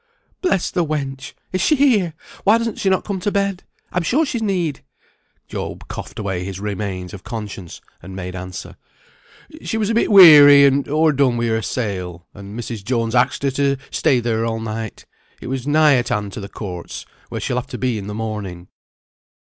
"Bless the wench! Is she here? Why does she not come to bed? I'm sure she's need." Job coughed away his remains of conscience, and made answer, "She was a bit weary, and o'er done with her sail; and Mrs. Jones axed her to stay there all night. It was nigh at hand to the courts, where she will have to be in the morning."